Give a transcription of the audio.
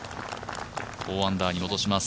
４アンダーに戻します。